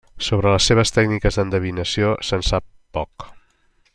Sobre les seves tècniques d'endevinació se'n sap poc.